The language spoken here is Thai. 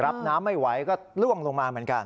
รับน้ำไม่ไหวก็ล่วงลงมาเหมือนกัน